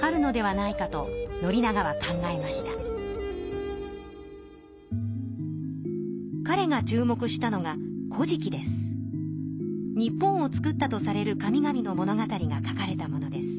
かれが注目したのが日本を造ったとされる神々の物語が書かれたものです。